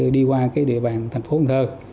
đi qua địa bàn thành phố cần thơ